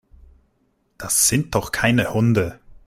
Das sind doch keine Hunde.